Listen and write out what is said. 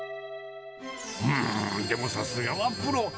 うーん、でもさすがはプロ。